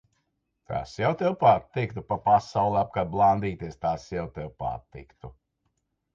Tas jau tev patiktu. Pa pasauli apkārt blandīties, tas jau tev patiktu.